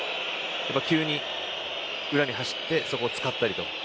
急に裏に走ってそこを使ったり。